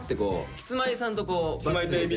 キスマイさんとこうバックで。